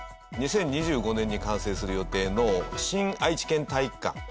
２０２５年に完成する予定の新愛知県体育館。